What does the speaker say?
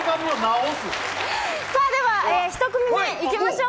さあでは、１組目いきましょう。